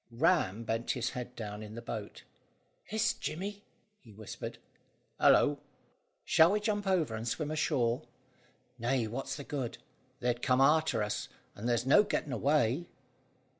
Ram bent his head down in the boat. "Hist, Jemmy!" he whispered. "Hallo!" "Shall we jump over and swim ashore?" "Nay; what's the good? they'd come arter us, and there's no getting away."